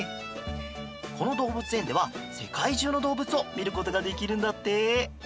このどうぶつえんではせかいじゅうのどうぶつをみることができるんだって！